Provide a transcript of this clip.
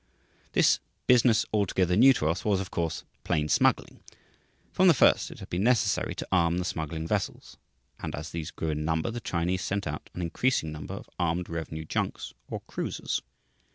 This "business altogether new to us" was, of course, plain smuggling. From the first it had been necessary to arm the smuggling vessels; and as these grew in number the Chinese sent out an increasing number of armed revenue junks or cruisers.